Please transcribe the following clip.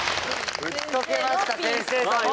打ち解けました先生とも！